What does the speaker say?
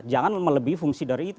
jangan melebihi fungsi dari itu